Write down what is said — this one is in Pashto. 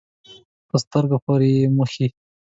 په سترګو پورې یې مښي.